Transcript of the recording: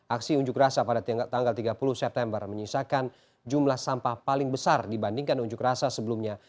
aksi unjuk rasa pada tanggal tiga puluh september menyisakan jumlah sampah paling besar dibandingkan unjuk rasa sebelumnya